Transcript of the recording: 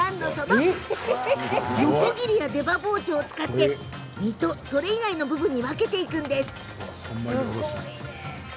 のこぎりや出刃包丁を使って身とそれ以外の部分に分けていきます。